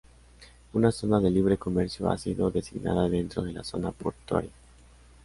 Una zona de libre comercio ha sido designada dentro de la zona portuaria.